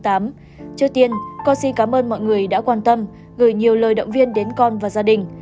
trước tiên con xin cảm ơn mọi người đã quan tâm gửi nhiều lời động viên đến con và gia đình